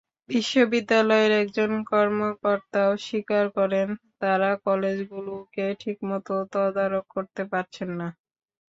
বিশ্ববিদ্যালয়ের একজন কর্মকর্তাও স্বীকার করেন, তাঁরা কলেজগুলোকে ঠিকমতো তদারক করতে পারছেন না।